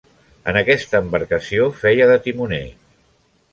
En aquesta embarcació feia de timoner.